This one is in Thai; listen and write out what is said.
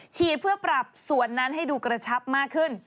ฉีดเพื่อปรับส่วนนั้นให้ดูกระชับมากขึ้น